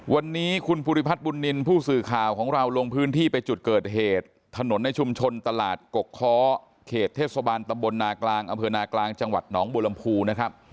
วันนี้คุณภูริพัฒน์บุญนินทร์ผู้สื่อข่าวของเราลงพื้นที่ไปจุดเกิดเหตุถนนในชุมชนตลาดกกค้อเขตเทศบาลตำบลนากลางอำเภอนากลางจังหวัดหนองบัวลำพูนะครับ